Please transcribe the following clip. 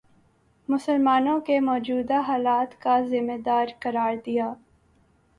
مسلمانوں کے موجودہ حالات کا ذمہ دار قرار دیا